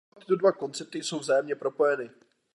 Naopak, tyto dva koncepty jsou vzájemně propojeny.